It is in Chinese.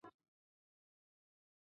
毕业于中国海洋大学物理海洋专业。